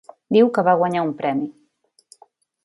Diu que va guanyar un premi.